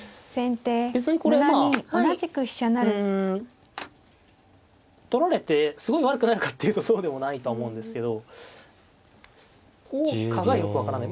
別にこれまあうん取られてすごい悪くなるかっていうとそうでもないとは思うんですけど効果がよく分からない。